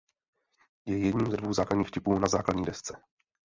Je jedním ze dvou základních čipů na základní desce.